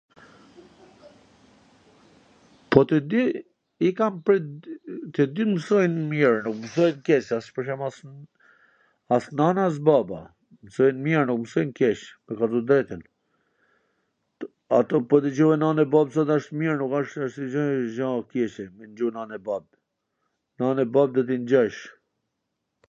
po tw di, i kam pwr..., tw di mwsojn mir, s mwsojn keq, pwr shwmull as, as nana as baba, msojn mir, nuk msojn keq, me thwn tw drejtwn, ato po dwgjove nanwn e babwn sot asht mir, nuk asht gja e keqe me ngju nanwn e babwn, nanwn e babwn duhet t' i ngjojsh